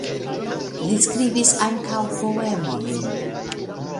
Li skribis ankaŭ poemojn.